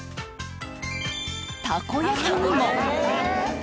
たこ焼きにも。